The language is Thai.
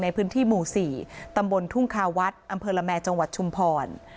ในพื้นที่หมู่๔ตำบลทุ่งคาวัดอำเภอละแมจังหวัดชุมพร